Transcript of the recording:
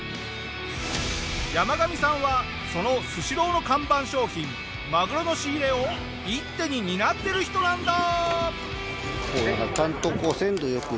ヤマガミさんはそのスシローの看板商品まぐろの仕入れを一手に担ってる人なんだ！